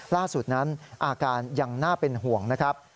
ล่าสุดนั้นอาการยังน่าเป็นห่วงนะครับ